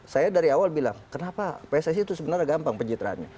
saya dari awal bilang kenapa pssi itu sebenarnya gampang pencitraannya